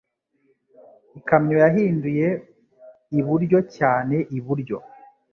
Ikamyo yahinduye iburyo cyane iburyo.